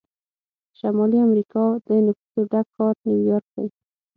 د شمالي امریکا د نفوسو ډک ښار نیویارک دی.